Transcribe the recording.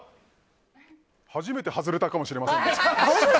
初めて外れたかもしれませんね。